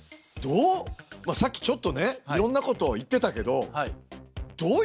さっきちょっとねいろんなことを言ってたけどどういうふうに。